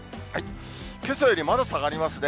けさよりまだ下がりますね。